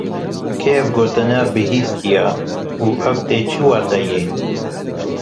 Kê ev gotin bihîstiye û ev tê çi wateyê?